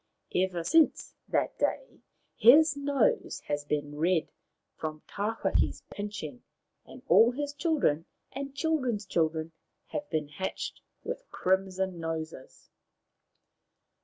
Ever since that day his nose has been red from Tawhaki' s pinching, and all his children and children's children have been hatched with crimson noses.